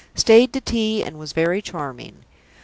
"Stayed to tea and was very charming."